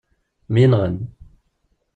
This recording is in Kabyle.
Myenɣen.